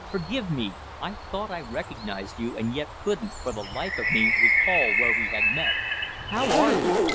Forgive me. I thought I recognized you, and yet couldn't, for the life of me, recall where we had met. How are you?"